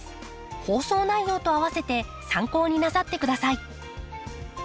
放送内容と併せて参考になさってください。